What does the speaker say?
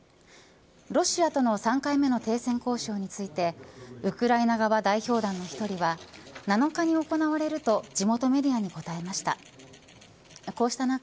ロシアとの３回目の停戦交渉についてウクライナ側代表団の一人は７日に行われると地元メディアに答えました。